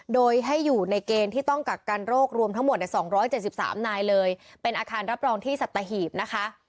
โดยให้อยู่ในเกณฑ์ที่ต้องกักกันโรครวมทั้งหมดในสองร้อยเจ็ดสิบสามนายเลยเป็นอาคารรับรองที่สัตถาหีพนะคะ